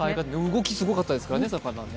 動きすごかったですからね、魚ね。